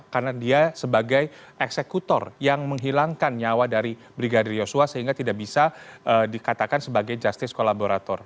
karena dia sebagai eksekutor yang menghilangkan nyawa dari brigadir yosua sehingga tidak bisa dikatakan sebagai justice kolaborator